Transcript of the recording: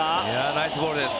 ナイスボールです。